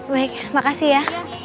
baik makasih ya